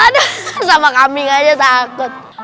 aduh sama kambing aja takut